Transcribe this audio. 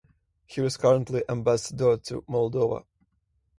He is currently ambassador to Moldova.